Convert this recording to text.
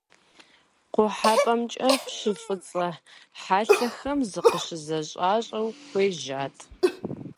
КъухьэпӀэмкӀэ пшэ фӀыцӀэ хьэлъэхэм зыкъыщызэщӀащӀэу хуежьат.